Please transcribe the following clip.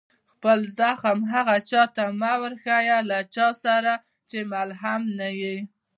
خپل زخم هغه چا ته مه ورښيه، له چا سره چي ملهم نه يي.